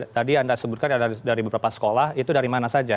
tadi anda sebutkan dari beberapa sekolah itu dari mana saja